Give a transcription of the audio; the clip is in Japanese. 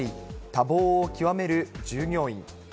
多忙を極める従業員。